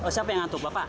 siapa yang ngantuk bapak